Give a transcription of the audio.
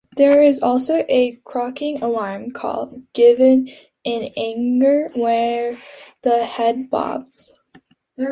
There is also a croaking alarm call given in anger where the head bobs.